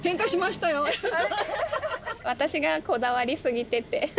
私がこだわりすぎてて。